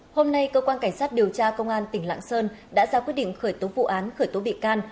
hôm nay cơ quan cảnh sát điều tra công an tỉnh lạng sơn đã ra quyết định khởi tố vụ án khởi tố bị can